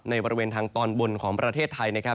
ในบริเวณทางตอนบนของประเทศไทย